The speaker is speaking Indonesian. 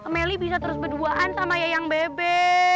melly bisa terus berduaan sama yayang bebe